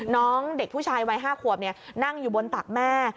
น้องเด็กผู้ชายวัย๕ขวบนั่งอยู่บนตักแม่